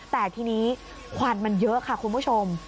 แต่ทีนี้ควันมันเยอะค่ะคุณผู้ชม